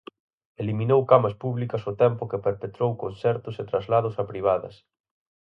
Eliminou camas públicas ao tempo que perpetuou concertos e traslados a privadas.